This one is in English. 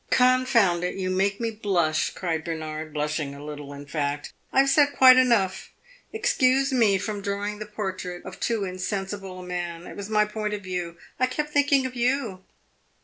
"Confound it, you make me blush!" cried Bernard, blushing a little in fact. "I have said quite enough; excuse me from drawing the portrait of too insensible a man. It was my point of view; I kept thinking of you."